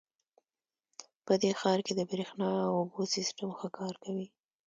په دې ښار کې د بریښنا او اوبو سیسټم ښه کار کوي